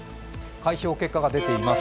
開票結果が出ています。